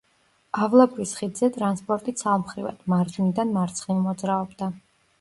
ავლაბრის ხიდზე ტრანსპორტი ცალმხრივად, მარჯვნიდან მარცხნივ მოძრაობდა.